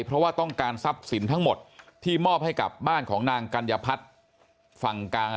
เพราะว่าต้องการทรัพย์สินทั้งหมดที่มอบให้กับบ้านของนางกัญญพัฒน์ฝั่งกลาง